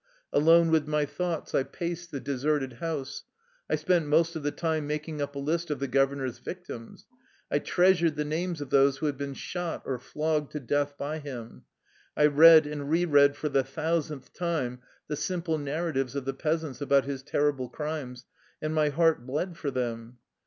Alone with my thoughts, I paced the de serted house. I spent most of the time maMng up a list of the governor's victims. I treasured the names of those who had been shot or flogged to death by him. I read and re read for the thousandth time the simple narratives of the peasants about his terrible crimes, and my heart bled for them.